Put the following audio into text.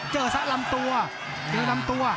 เจอสักลำตัว